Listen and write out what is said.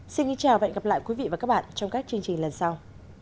xin kính chào và hẹn gặp lại quý vị và các bạn trong các chương trình lần sau